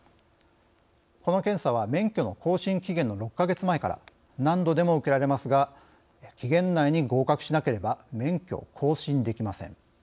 この検査は免許の更新期限の６か月前から何度でも受けられますが期限内に合格しなければ免許を更新できません。